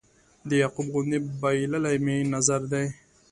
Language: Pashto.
د یعقوب غوندې بایللی مې نظر دی